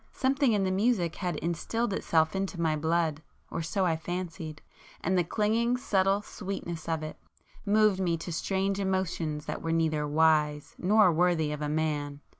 Something in the music had instilled itself into my blood, or so I fancied, and the clinging subtle sweetness of it, moved me to strange emotions that were neither wise, nor worthy of a man.